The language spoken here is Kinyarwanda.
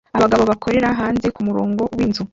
Abagabo bakorera hanze kumurongo winzu